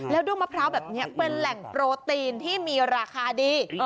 ด้วงมะพร้าวแบบนี้เป็นแหล่งโปรตีนที่มีราคาดี